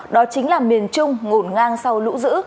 đó chính là miền trung ngổn ngang sau lũ dữ